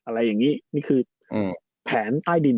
อะไรอย่างนี้นี่คือแผนใต้ดิน